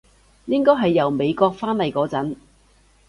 應該係由美國返嚟嗰陣